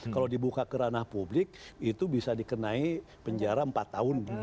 kalau dibuka ke ranah publik itu bisa dikenai penjara empat tahun